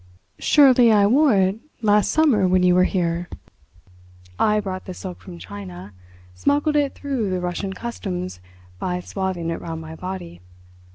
"Surely I wore it last summer when you were here? I brought the silk from China—smuggled it through the Russian customs by swathing it round my body.